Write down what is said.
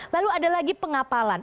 lalu ada lagi pengapalan